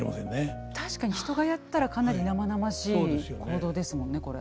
確かに人がやったらかなり生々しい行動ですもんねこれ。